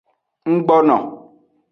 Nggbono.